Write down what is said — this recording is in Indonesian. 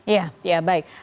ya ya baik